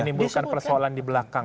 menimbulkan persoalan di belakang